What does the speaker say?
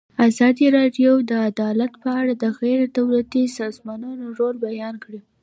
ازادي راډیو د عدالت په اړه د غیر دولتي سازمانونو رول بیان کړی.